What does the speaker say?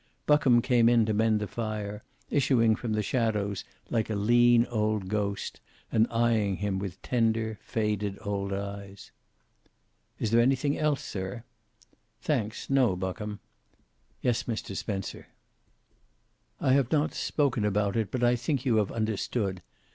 Buckham came in to mend the fire, issuing from the shadows like a lean old ghost and eyeing him with tender, faded old eyes. "Is there anything else, sir?" "Thanks, no. Buckham." "Yes, Mr. Spencer." "I have not spoken about it, but I think you have understood.